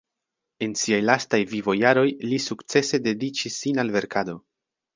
En siaj lastaj vivo-jaroj, li sukcese dediĉis sin al verkado.